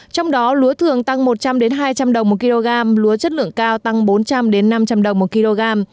trong đó lúa thường tăng một trăm linh hai trăm linh đồng một kg lúa chất lượng cao tăng bốn trăm linh năm trăm linh đồng một kg